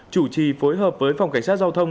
chủ trì phối hợp với phòng cảnh sát giao thông